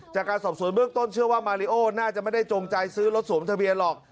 จากการสอบสวนเบื้องต้นเชื่อว่ามาริโอน่าจะไม่ได้จงใจซื้อรถสวมทะเบียนหรอก